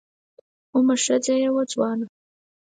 کومه ښځه يې وه ځوانه